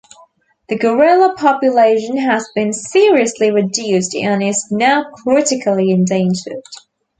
The gorilla population has been seriously reduced and is now critically endangered.